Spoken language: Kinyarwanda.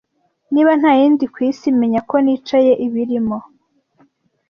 Niba ntayindi kwisi menya ko nicaye ibirimo,